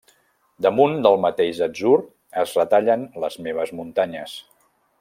Damunt del mateix atzur es retallen les meves muntanyes.